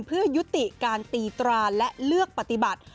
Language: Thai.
เพื่อยุติการตีตราและเลือกปฏิบัติ